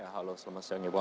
halo selamat siang